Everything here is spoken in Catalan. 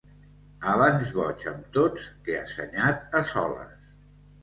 Abans boig amb tots que assenyat a soles.